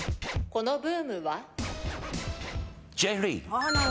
このブームは？